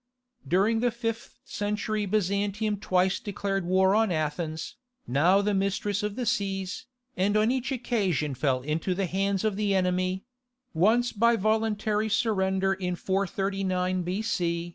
During the fifth century Byzantium twice declared war on Athens, now the mistress of the seas, and on each occasion fell into the hands of the enemy—once by voluntary surrender in 439 B.C.